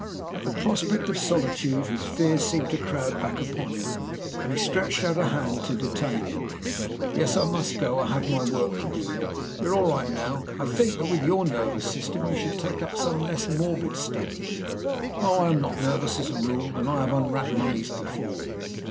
At the prospect of solitude, his fears seemed to crowd back upon him, and he stretched out a hand to detain him. "Yes, I must go. I have my work to do. You are all right now. I think that with your nervous system you should take up some less morbid study." "Oh, I am not nervous as a rule; and I have unwrapped mummies before."